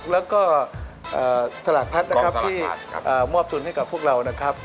แล้วก็สลากพัดนะครับที่มอบทุนให้กับพวกเรานะครับ